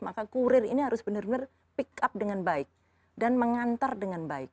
maka kurir ini harus benar benar pick up dengan baik dan mengantar dengan baik